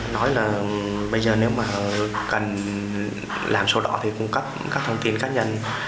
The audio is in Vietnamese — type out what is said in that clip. nói là bây giờ nếu mà cần làm sổ đỏ thì cung cấp các thông tin cá nhân